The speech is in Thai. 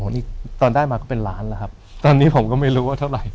นี่ตอนได้มาก็เป็นล้านแล้วครับตอนนี้ผมก็ไม่รู้ว่าเท่าไหร่